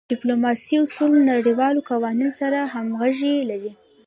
د ډیپلوماسی اصول د نړیوالو قوانینو سره همږغي لری.